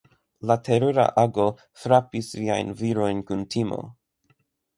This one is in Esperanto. La terura ago frapis viajn virojn kun timo.